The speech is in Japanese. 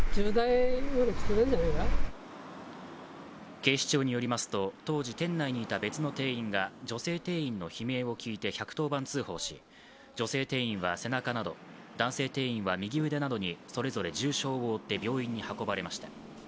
警視庁によりますと、当時店内にいた別の店員が女性店員の悲鳴を聞いて１１０番通報し女性店員は背中など、男性店員は右腕などにそれぞれ重傷を負って病院に運ばれました。